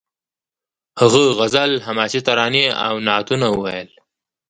هغه غزل حماسي ترانې او نعتونه وویل